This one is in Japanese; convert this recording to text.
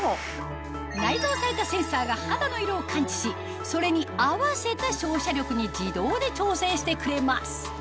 内蔵されたセンサーが肌の色を感知しそれに合わせた照射力に自動で調整してくれます